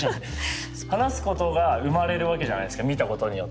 話すことが生まれるわけじゃないですか見たことによって。